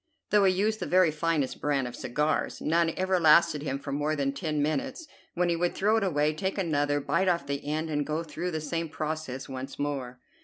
Though he used the very finest brand of cigars, none ever lasted him for more than ten minutes, when he would throw it away, take another, bite off the end, and go through the same process once more.